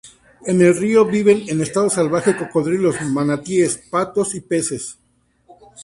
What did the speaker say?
En el río viven en estado salvaje cocodrilos, manatíes, patos y peces.